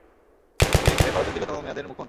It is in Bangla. তিনিই ছিলেন ভারতের দীর্ঘতম মেয়াদের মুখ্যমন্ত্রী।